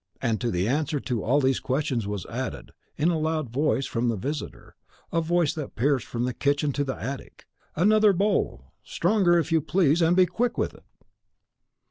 And to the answer to all these questions was added, in a loud voice from the visitor, a voice that pierced from the kitchen to the attic, "Another bowl! stronger, if you please, and be quick with it!"